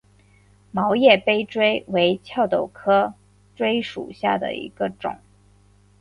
毛叶杯锥为壳斗科锥属下的一个种。